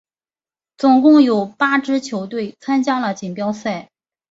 总共有八支球队参加了锦标赛。